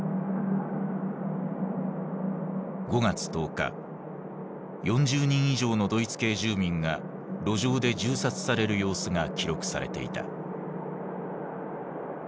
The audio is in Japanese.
５月１０日４０人以上のドイツ系住民が路上で銃殺される様子が記録されていた。